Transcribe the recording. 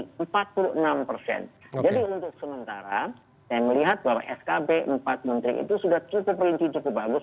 jadi untuk sementara saya melihat bahwa skb empat menteri itu sudah cukup rinci cukup bagus